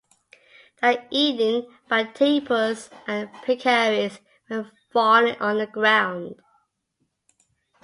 They are eaten by tapirs and peccaries when fallen on the ground.